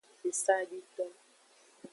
Esadito.